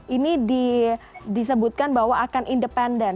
ini disebutkan bahwa akan independen